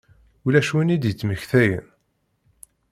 Ulac win i d-ittmektayen.